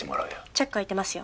チャック開いてますよ。